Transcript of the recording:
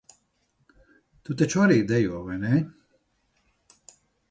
Tu taču arī dejo, vai ne?